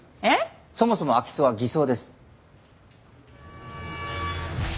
そもそも空き巣は偽装です。